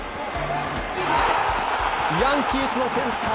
ヤンキースのセンター